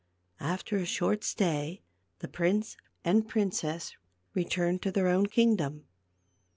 After a short stay the prince and princess re turned to their own kingdom.